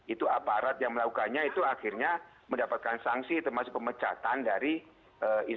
itu aparat yang melakukannya itu akhirnya mendapatkan sanksi termasuk pemecatan dari institusi